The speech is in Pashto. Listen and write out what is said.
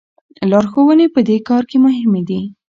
لارښوونې په دې کار کې مهمې دي.